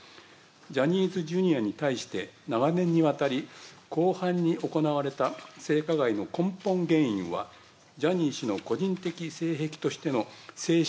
ジャニーズＪｒ．に対して、長年にわたり、広範に行われた性加害の根本原因は、ジャニー氏の個人的性癖としての性し